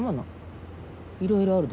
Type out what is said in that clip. いろいろあるでしょ。